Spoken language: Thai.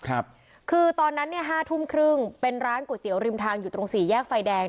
ครับคือตอนนั้นเนี่ยห้าทุ่มครึ่งเป็นร้านก๋วยเตี๋ยวริมทางอยู่ตรงสี่แยกไฟแดง